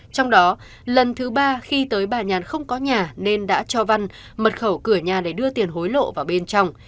trong đó lần thứ ba khi tới bà nhàn không có nhà nên đã cho văn mật khẩu cửa nhà để đưa tiền hối lộ vào bên trong